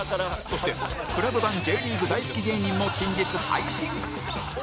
そして ＣＬＵＢ 版 Ｊ リーグ大好き芸人も近日配信